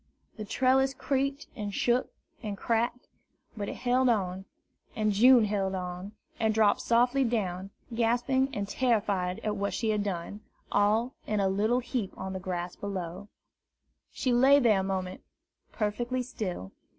The trellis creaked and shook and cracked, but it held on, and June held on, and dropped softly down, gasping and terrified at what she had done, all in a little heap on the grass below. She lay there a moment perfectly still.